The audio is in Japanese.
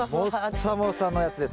もっさもさのやつですけど。